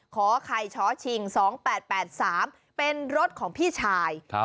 ขอไข่ช้อชิง๒๘๘๓เป็นรถของพี่ชาย